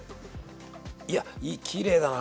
いやきれいだな。